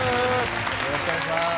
よろしくお願いします。